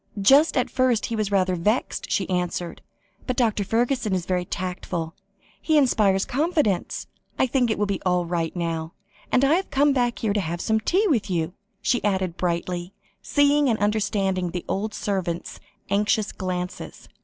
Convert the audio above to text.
"Just at first he was rather vexed," she answered, "but Dr. Fergusson is very tactful; he inspires confidence. I think it will be all right now. And I have come back here to have some tea with you," she added brightly, seeing and understanding the old servant's anxious glances.